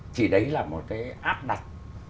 thì đấy là một cái áp đặt